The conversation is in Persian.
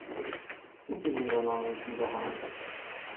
چه فیلمی را نمایش میدهند؟